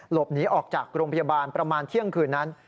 หลบหนีออกจากโรงพยาบาลประมาณเที่ยงคืนนั้น